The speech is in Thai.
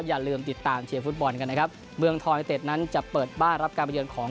อย่าลืมติดตามเชียร์ฟุตบอลกันนะครับเมืองทอยเต็ดนั้นจะเปิดบ้านรับการประเยินของ